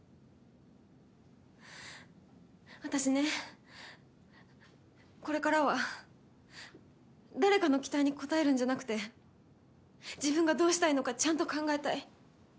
私ねこれからは誰かの期待に応えるんじゃなくて自分がどうしたいのかちゃんと考えたい。